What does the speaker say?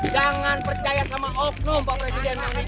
jangan percaya sama oknum pak presiden